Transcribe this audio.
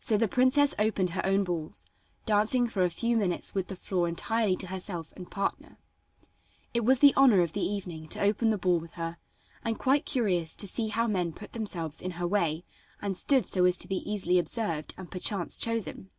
So the princess opened her own balls, dancing for a few minutes with the floor entirely to herself and partner. It was the honor of the evening to open the ball with her, and quite curious to see how men put themselves in her way and stood so as to be easily observed and perchance chosen.